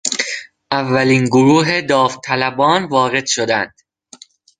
اولین گروه داوطلبان وارد شدند.